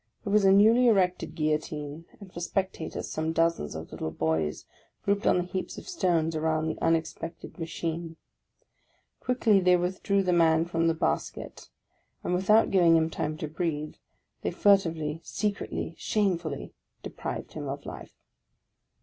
There was a newly erected Guillotine, and for spectators, some dozens of little boys, grouped on the heaps of stones around the unexpected ma chine. Quickly they withdrew the man from the basket ; and without giving him time to breathe, they furtively, secretly, shamefully deprived him of life